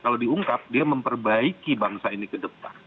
kalau diungkap dia memperbaiki bangsa ini ke depan